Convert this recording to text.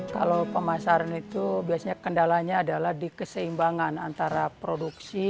kalau pemasaran itu biasanya kendalanya adalah dikeseimbangan antara produksi